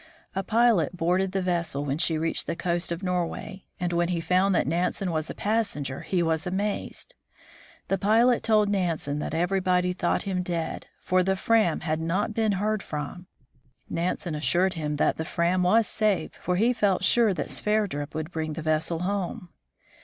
A pilot boarded the vessel when she reached the coast of Norway, and when he found that Nansen was a pas senger, he was amazed. The pilot told Nansen that every body thought him dead, for the Fram had not been heard from. Nansen assured him that the Fram was safe, for he felt sure that Sverdrup would bring the vessel home.